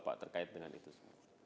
apa yang terkait dengan itu semua